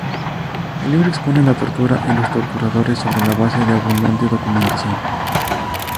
El libro expone la tortura y los torturadores sobre la base de abundante documentación.